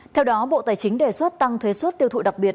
theo đó bộ tài chính đề xuất tăng thuế suất tiêu thụ đặc biệt